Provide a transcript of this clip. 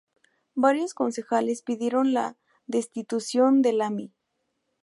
Varios concejales pidieron la destitución de Lami.